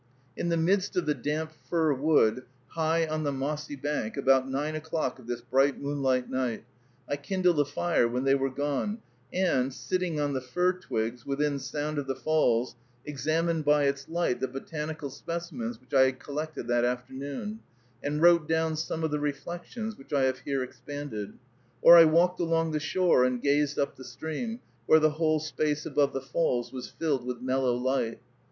In the midst of the damp fir wood, high on the mossy bank, about nine o'clock of this bright moonlight night, I kindled a fire, when they were gone, and, sitting on the fir twigs, within sound of the falls, examined by its light the botanical specimens which I had collected that afternoon, and wrote down some of the reflections which I have here expanded; or I walked along the shore and gazed up the stream, where the whole space above the falls was filled with mellow light.